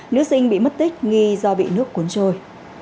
nữ sinh bị mất tích nghi do bị nước cuốn trôi